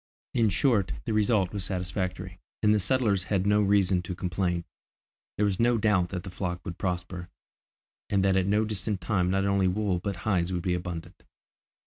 In short, the result was satisfactory, and the settlers had no reason to complain. There was no doubt that the flock would prosper, and that at no distant time not only wool but hides would be abundant.